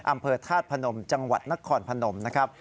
อำเภอธาตุพนมจังหวัดนครพนมนะครับ